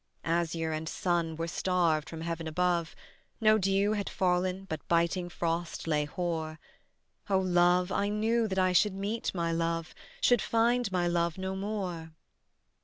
Azure and sun were starved from heaven above, No dew had fallen, but biting frost lay hoar: O love, I knew that I should meet my love, Should find my love no more.